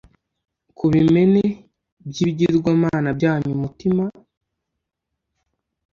ku bimene by ibigirwamana byanyu umutima